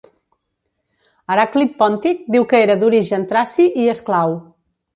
Heràclit Pòntic diu que era d'origen traci i esclau.